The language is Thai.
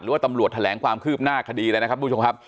ว่าตำรวจแถลงความคืบหน้าคดีเลยนะครับทุกผู้ชมครับ